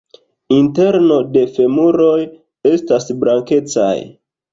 Interno de femuroj estas blankecaj.